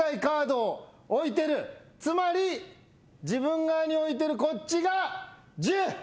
つまり自分側に置いてるこっちが１０！